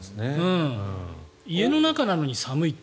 家の中なのに寒いって。